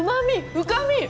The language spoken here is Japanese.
深み！